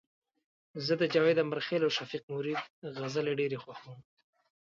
زه د جاوید امرخیل او شفیق مرید غزلي ډيري خوښوم